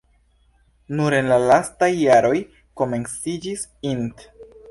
Nur en la lastaj jaroj komenciĝis int.